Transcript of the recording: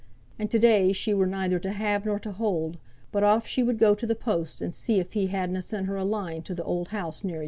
And to day she were neither to have nor to hold, but off she would go to th' post, and see if he had na sent her a line to th' old house near yo.